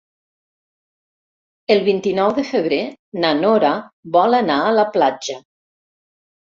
El vint-i-nou de febrer na Nora vol anar a la platja.